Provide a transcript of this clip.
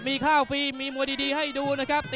มีข้าวฟรีมีมวยดีให้ดูนะครับ